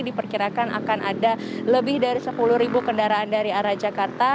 diperkirakan akan ada lebih dari sepuluh kendaraan dari arah jakarta